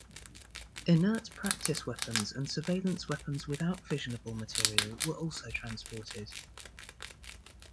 Inert practice weapons and surveillance weapons without fissionable material were also transported.